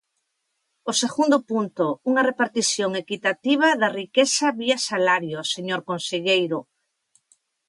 O segundo punto: unha repartición equitativa da riqueza vía salario, señor conselleiro.